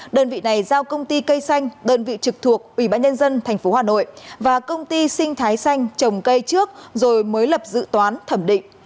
đơn vị này giao công ty cây xanh đơn vị trực thuộc ủy ban nhân dân tp hà nội và công ty sinh thái xanh trồng cây trước rồi mới lập dự toán thẩm định